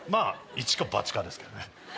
イチかバチかですけどね。